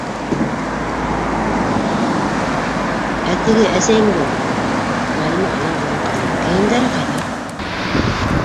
Ә теге... әсәйеңдең, - Ғәлимә алан-йолан ҡаранды, - кейемдәре ҡайҙа?